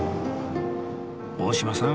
大島さん